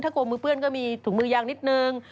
ถ้ากลมมือเพื่อนก็มีถุงมือยางนิดหนึ่ง